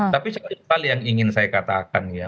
tapi sekali hal yang ingin saya katakan ya